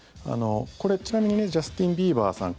これ、ちなみにジャスティン・ビーバーさん